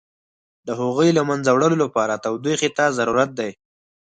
د هغوی له منځه وړلو لپاره تودوخې ته ضرورت دی.